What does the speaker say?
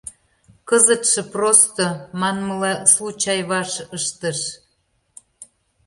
Кызытше просто, манмыла, случай ваш ыштыш.